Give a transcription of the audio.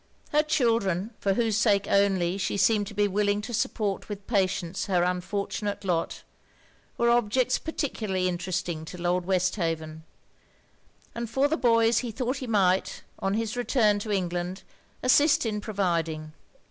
Her children, for whose sake only she seemed to be willing to support with patience her unfortunate lot, were objects particularly interesting to Lord Westhaven; and for the boys he thought he might, on his return to England, assist in providing.